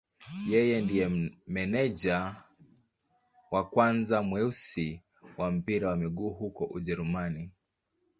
Yeye ndiye meneja wa kwanza mweusi wa mpira wa miguu huko Ujerumani.